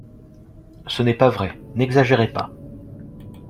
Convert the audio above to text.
Ce n’est pas vrai, n’exagérez pas